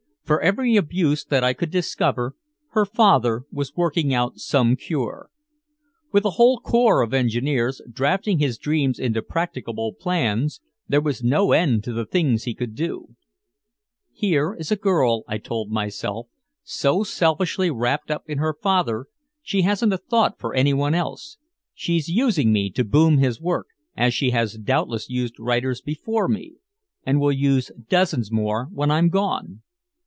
For every abuse that I could discover her father was working out some cure. With a whole corps of engineers drafting his dreams into practicable plans, there was no end to the things he could do. "Here is a girl," I told myself, "so selfishly wrapped up in her father she hasn't a thought for anyone else. She's using me to boom his work, as she has doubtless used writers before me and will use dozens more when I'm gone.